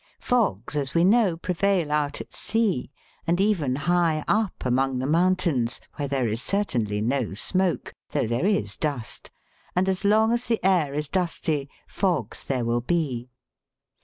Fogs, as we know, prevail out at sea, and even high up among the mountains, where there is certainly no smoke, though there is dust ; and as long as the air is dusty fogs there will be.